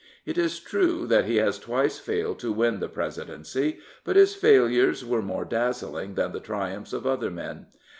It is true that he has twice failed to win the Presidency; but his failures were more dazzling than the triumphs of other men.